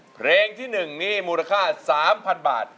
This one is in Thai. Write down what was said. เพลงที่๑นี่มูลค่า๓๐๐๐บาท